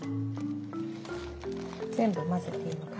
全部混ぜていいのかな？